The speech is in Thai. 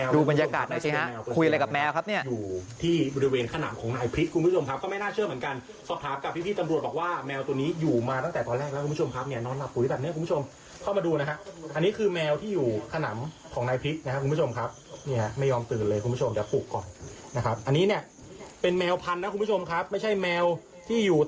ดูบรรยากาศหน่อยสิฮะคุยอะไรกับแมวครับเนี่ย